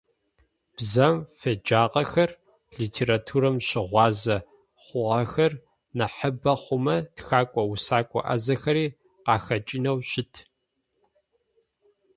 Бзэм феджагъэхэр, литературэм щыгъуазэ хъугъэхэр нахьыбэ хъумэ тхэкӏо-усэкӏо ӏазэхэри къахэкӀынэу щыт.